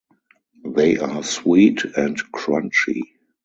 They are sweet and crunchy.